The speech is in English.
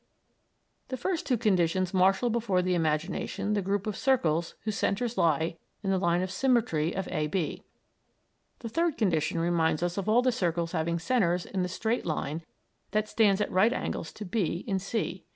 The first two conditions marshal before the imagination the group of circles whose centres lie in the line of symmetry of A, B. The third condition reminds us of all the circles having centres in the straight line that stands at right angles to B in C.